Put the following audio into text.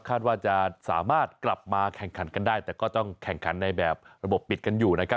คาดว่าจะสามารถกลับมาแข่งขันกันได้แต่ก็ต้องแข่งขันในแบบระบบปิดกันอยู่นะครับ